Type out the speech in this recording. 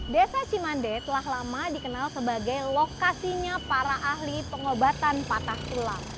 desa cimande telah lama dikenal sebagai lokasinya para ahli pengobatan patah tulang